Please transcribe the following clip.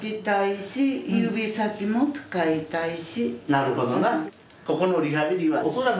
なるほどな。